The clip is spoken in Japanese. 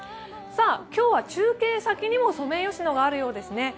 さあ、今日は中継先にもソメイヨシノがあるようですね。